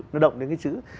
nó động đến cái chữ